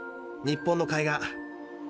日本の海岸。